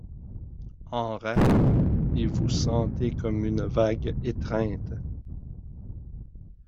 En rêve, et vous sentez comme une vague étreinte.